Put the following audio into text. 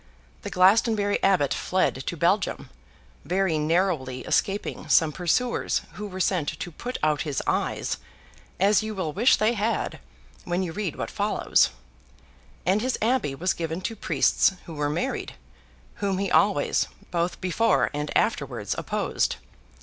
The Glastonbury Abbot fled to Belgium (very narrowly escaping some pursuers who were sent to put out his eyes, as you will wish they had, when you read what follows), and his abbey was given to priests who were married; whom he always, both before and afterwards, opposed.